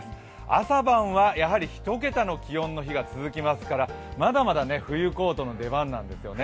朝晩はやはり１桁の気温の日が続きますからまだまだ冬コートの出番なんですよね。